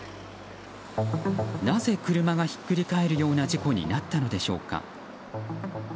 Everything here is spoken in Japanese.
なぜ、車がひっくり返るような事故になったのでしょうか。